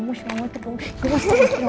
gemus mama tuh gemus